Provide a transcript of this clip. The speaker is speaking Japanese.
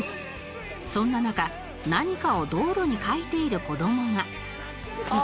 そんな中何かを道路に書いている子供があっ！